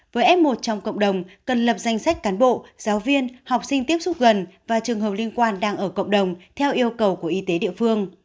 với f một trong cộng đồng cần lập danh sách cán bộ giáo viên học sinh tiếp xúc gần và trường hợp liên quan đang ở cộng đồng theo yêu cầu của y tế địa phương